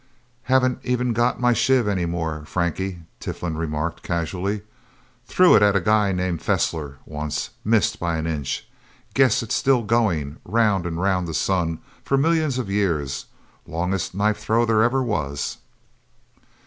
"Haven't even got my shiv anymore, Frankie," Tiflin remarked, casually. "Threw it at a guy named Fessler, once. Missed by an inch. Guess it's still going round and round the sun, for millions of years. Longest knife throw there ever was."